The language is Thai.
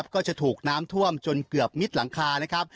ก็จะถูกน้ำท่วมจนเกือบมิดหลังคานะครับ